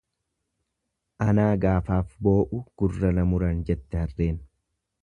Anaa gaafaaf boo'u gurra na muran jette harreen.